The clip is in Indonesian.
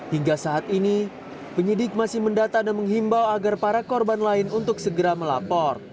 hingga saat ini penyidik masih mendata dan menghimbau agar para korban lain untuk segera melapor